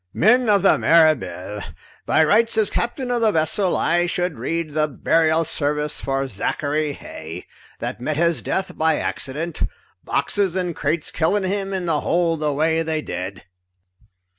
"Men of the Mirabelle, by rights as captain of the vessel I should read the burial service for Zachary Heigh, that met his death by accident, boxes and crates killing him in the hold the way they did.